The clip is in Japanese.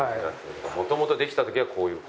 もともとできた時はこういう。